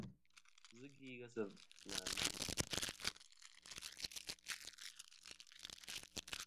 Zɨ gvi ghesi na lu.